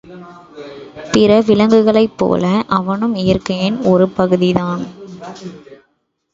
பிற விலங்குகளைப்போல அவனும் இயற்கையின் ஒரு பகுதிதான்.